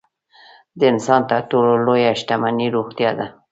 د انسان تر ټولو لویه شتمني روغتیا ده.